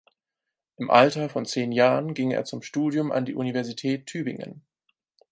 Im Alter von zehn Jahren ging er zum Studium an die Universität Tübingen.